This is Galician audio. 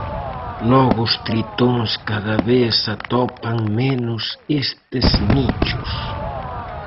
Logo os tritóns cada vez atopan menos estes nichos.